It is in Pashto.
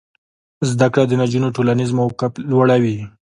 زده کړه د نجونو ټولنیز موقف لوړوي.